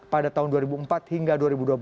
pada tahun dua ribu empat hingga dua ribu dua belas